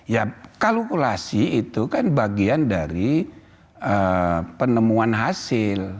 ya kalkulasi itu kan bagian dari penemuan hasil